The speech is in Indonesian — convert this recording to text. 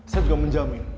saya juga menjamin